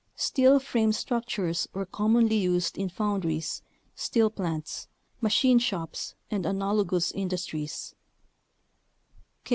Steel frame structures were commonly used in foundries, steel plants, machine shops, and analogous industries.